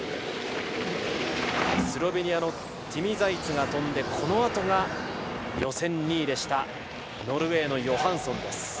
スロベニアのティミ・ザイツが飛んでこのあとが予選２位でしたノルウェーのヨハンソンです。